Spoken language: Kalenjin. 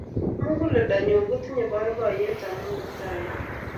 Muguleldo nyun kotindo boiboiyet ame Kiptaiyat